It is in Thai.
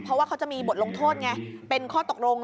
เพราะว่าเขาจะมีบทลงโทษไง